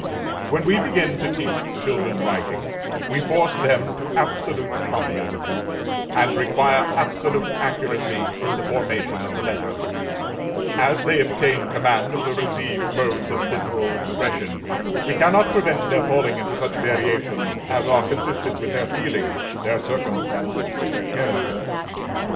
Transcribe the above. When we begin to teach children writing, we force them to absolute copyism, and require absolute accuracy in the formation of the letters; as they obtain command of the received modes of literal expression, we cannot prevent their falling into such variations as are consistent with their feeling, their circumstances, or their characters.